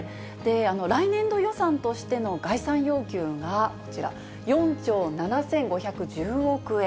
来年度予算としての概算要求がこちら、４兆７５１０億円。